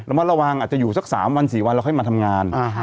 มัดระวังอาจจะอยู่สัก๓วัน๔วันแล้วค่อยมาทำงาน